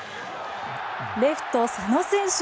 レフト、佐野選手